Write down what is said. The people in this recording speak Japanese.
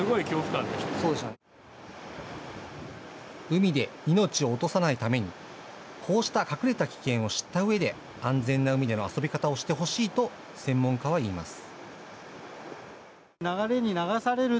海で命を落とさないためにこうした隠れた危険を知ったうえで安全な海での遊び方をしてほしいと専門家はいいます。